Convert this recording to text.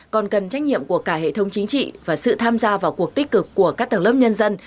còn cần trách nhiệm của cả hệ thống chính trị và sự tham gia vào cuộc tích cực của các tầng lớp nhân dân